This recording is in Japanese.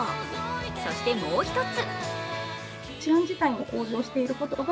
そしてもう１つ。